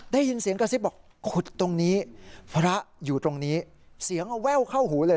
ได้ยินเสียงกระซิบบอกขุดตรงนี้พระอยู่ตรงนี้เสียงเอาแว่วเข้าหูเลย